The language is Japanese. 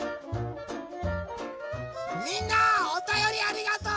みんなおたよりありがとう！